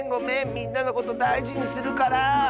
みんなのことだいじにするから！